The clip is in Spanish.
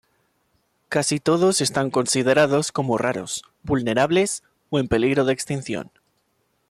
Casi todos están considerados como raros, vulnerables, o en peligro de extinción.